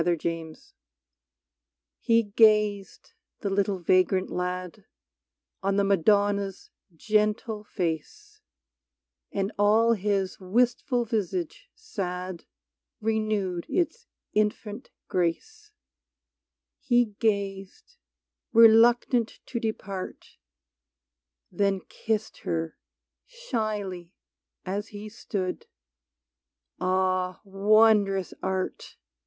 46 MADONNA T Te gazed, the little vagrant lad, On the Madonna's gentle face ; And all his wistful visage sad Renewed its infant grace : He gazed, reluctant to depart, Then kissed her, shyly, as he stood Ah, wondrous Art